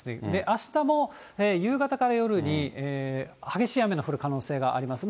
あしたも夕方から夜に、激しい雨の降る可能性があります。